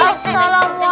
tertera tank tank